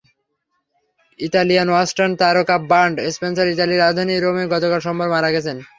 Italian western তারকা Bud Spencer ইতালির রাজধানী রোমে গতকাল সোমবার মারা গেছেন।